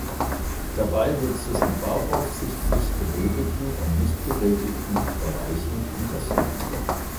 Dabei wird zwischen bauaufsichtlich geregelten und nicht geregelten Bereichen unterschieden.